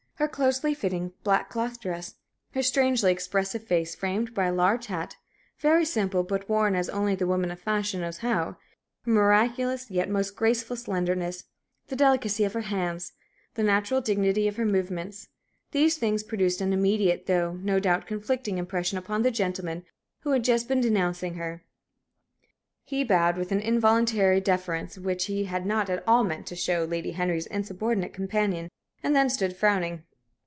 Her closely fitting black cloth dress; her strangely expressive face, framed by a large hat, very simple, but worn as only the woman of fashion knows how; her miraculous yet most graceful slenderness; the delicacy of her hands; the natural dignity of her movements these things produced an immediate, though, no doubt, conflicting impression upon the gentleman who had just been denouncing her. He bowed, with an involuntary deference which he had not at all meant to show to Lady Henry's insubordinate companion, and then stood frowning.